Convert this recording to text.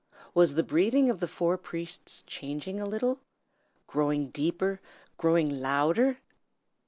Was the breathing of the four priests changing a little, growing deeper, growing louder?